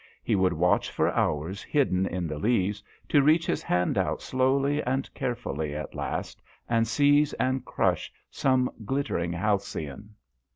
He would watch for hours, hidden in the leaves, to reach his hand out slowly and carefully at last, and seize and crush some glittering halcyon.